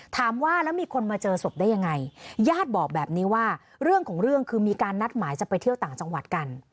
ถามว่าแล้วมีคนมาเจอศพได้ยังไงญาติบอกแบบนี้ว่าเรื่องของเรื่องคือมีการนัดหมายจะไปเที่ยวต่างจังหวัดกัน